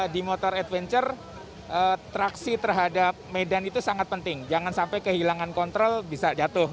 di motor adventure traksi terhadap medan itu sangat penting jangan sampai kehilangan kontrol bisa jatuh